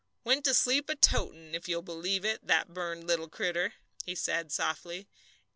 "Went to sleep a totin' if you'll believe it, the burned little critter!" he said, softly.